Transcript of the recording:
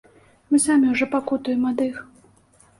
Мы самі ўжо пакутуем ад іх.